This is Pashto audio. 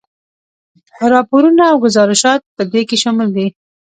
راپورونه او ګذارشات په دې کې شامل دي.